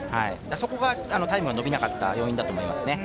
そこがタイムが伸びなかった要因だと思います。